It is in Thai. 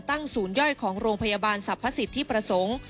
สร้างสูญย่อยของโรงพยาบาลสรรพสิทธิ์ที่ประสงค์